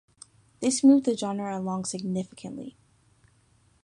This moved the genre along significantly.